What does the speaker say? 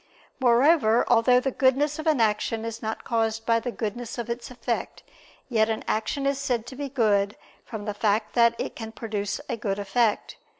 Moreover, although the goodness of an action is not caused by the goodness of its effect, yet an action is said to be good from the fact that it can produce a good effect.